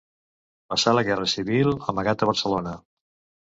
Passà la Guerra Civil amagat a Barcelona.